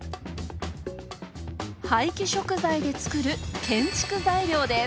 廃棄食材で作る建築材料です。